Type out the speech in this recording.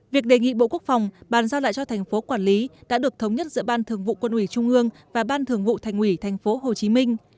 việc đề nghị bộ quốc phòng bàn giao lại cho tp hcm đã được thống nhất giữa ban thường vụ quân ủy trung ương và ban thường vụ thành ủy tp hcm